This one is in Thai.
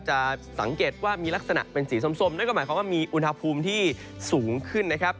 จะสังเกตว่ามีลักษณะเป็นสีส้มนั่นก็หมายความว่ามีอุณหภูมิที่สูงขึ้นนะครับ